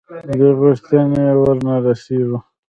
دې غوښتنې ورنه رسېږو.